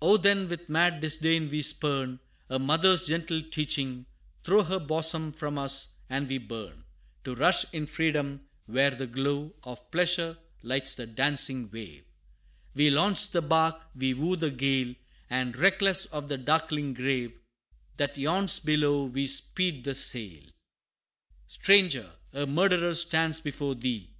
Oh, then with mad disdain we spurn A mother's gentle teaching; throw Her bosom from us, and we burn, To rush in freedom, where the glow Of pleasure lights the dancing wave: We launch the bark, we woo the gale, And reckless of the darkling grave That yawns below, we speed the sail! XIII. "Stranger! a murderer stands before thee!